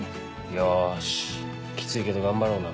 よしキツいけど頑張ろうな。